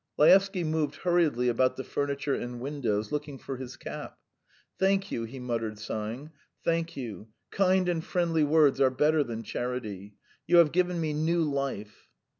Laevsky moved hurriedly about the furniture and windows, looking for his cap. "Thank you," he muttered, sighing. "Thank you. ... Kind and friendly words are better than charity. You have given me new life."